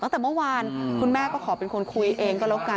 ตั้งแต่เมื่อวานคุณแม่ก็ขอเป็นคนคุยเองก็แล้วกัน